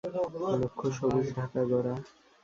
লক্ষ্য সবুজ ঢাকা গড়া।